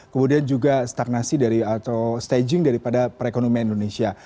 kemudian juga stagnasi dari atau staging daripada perekonomian indonesia